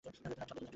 আমি সব দেখতে পারি।